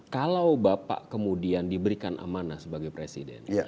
kalau bapak kemudian diberikan amanah sebagai presiden